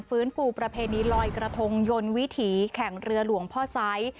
ฟื้นฟูประเพณีลอยกระทงยนต์วิถีแข่งเรือหลวงพ่อไซส์